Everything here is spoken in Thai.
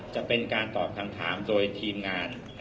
จะเป็นการตอบคำถามโดยทีมงาน